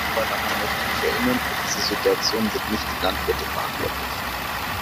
Aber, daran möchte ich erinnern, für diese Situation sind nicht die Landwirte verantwortlich.